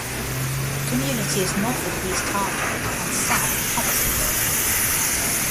The community is north of East Hartford and south of Thompsonville.